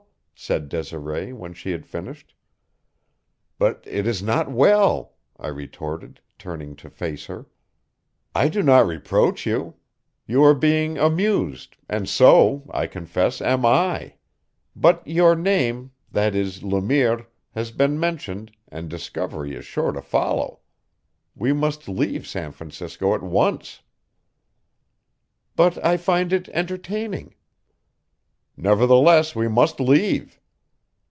said Desiree when she had finished. "But it is not well," I retorted, turning to face her. "I do not reproach you; you are being amused, and so, I confess, am I. But your name that is, Le Mire has been mentioned, and discovery is sure to follow. We must leave San Francisco at once." "But I find it entertaining." "Nevertheless, we must leave."